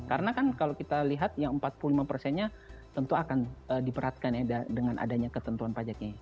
karena kan kalau kita lihat yang empat puluh lima persennya tentu akan diperatkan dengan adanya ketentuan pajaknya